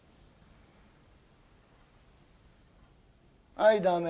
はいダメ！